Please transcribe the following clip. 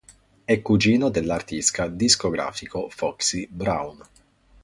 È cugino dell'artista discografico Foxy Brown.